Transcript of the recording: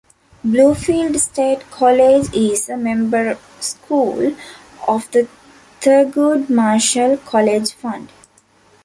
Bluefield State College is a member school of the Thurgood Marshall College Fund.